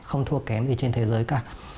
không thua kém gì trên thế giới cả